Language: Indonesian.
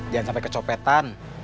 jangan sampai kecopetan